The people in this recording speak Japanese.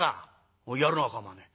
「おおやるのは構わねえ。